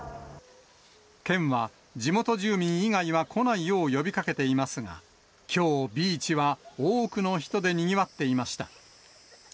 県は、地元住民以外は来ないよう呼びかけていますが、きょう、ビーチは多くの人でにぎわっていました。